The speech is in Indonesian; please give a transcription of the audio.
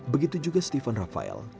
begitu juga stephen raphael